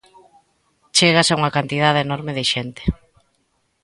Chegas a unha cantidade enorme de xente.